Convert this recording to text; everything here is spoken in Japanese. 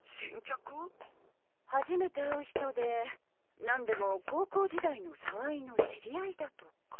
初めて会う人でなんでも高校時代の澤井の知り合いだとか。